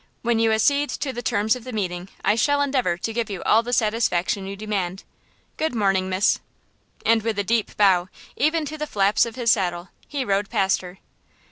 When you accede to the terms of the meeting I shall endeavor to give you all the satisfaction you demand! Good morning, miss." And with a deep bow, even to the flaps of his saddle, he rode past her.